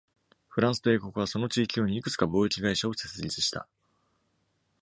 フランスと英国はその地域用にいくつか貿易会社を設立した。